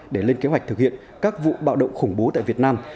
để lên kế hoạch thực hiện các vụ bạo động khủng bố tại việt nam